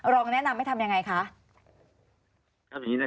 แนะนำให้ทำยังไงคะ